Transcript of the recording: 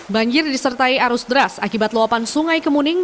banjir disertai arus deras akibat luapan sungai kemuning